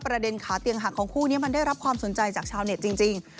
ประเด็นขาเตียงหักของคู่นี้มันได้รับความสนใจจากชาวเน็ตจริง